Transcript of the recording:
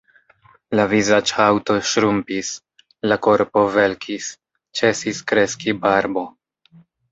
La vizaĝhaŭto ŝrumpis, la korpo velkis, ĉesis kreski barbo.